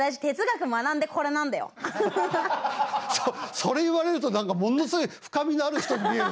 それ言われると何かものすごい深みのある人に見える。